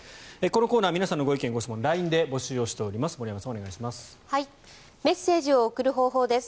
このコーナー皆さんのご意見・ご質問をＬＩＮＥで募集をしております。